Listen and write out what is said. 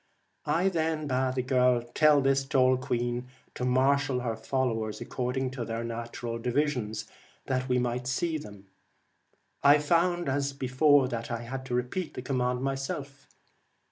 I then bade the girl tell this tall queen to marshal her followers accord ing to their natural divisions, that we might see them. I found as before that I had to repeat the command myself.